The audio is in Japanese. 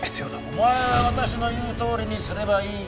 お前は私の言うとおりにすればいい。